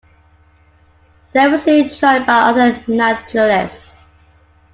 They were soon joined by other naturalists.